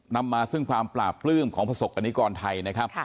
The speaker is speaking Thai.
นำมาซึ่งความปราบปลื้มของประสบกรณิกรไทยนะครับ